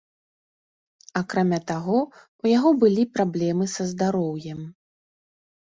Акрамя таго, у яго былі праблемы са здароўем.